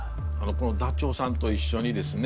このダチョウさんと一緒にですね